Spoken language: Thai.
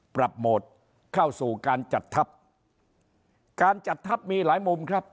โหมดเข้าสู่การจัดทัพการจัดทัพมีหลายมุมครับ